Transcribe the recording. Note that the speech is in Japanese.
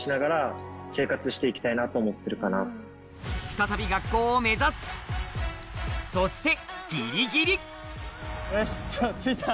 再び学校を目指すそしてギリギリ着いた。